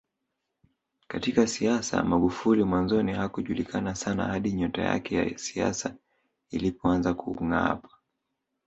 Katika siasa Magufuli mwanzoni hakujulikana sana hadi nyota yake ya isiasa ilipoanza kungaapa